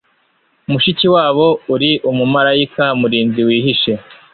mushikiwabo, uri umumarayika murinzi wihishe